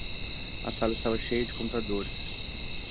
A sala estava cheia de computadores.